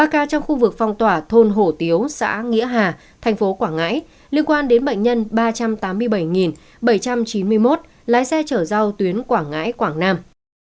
ba ca trong khu vực phong tỏa thôn hổ tiếu xã nghĩa hà thành phố quảng ngãi liên quan đến bệnh nhân ba trăm tám mươi bảy bảy trăm chín mươi một lái xe chở rau tuyến quảng ngãi quảng nam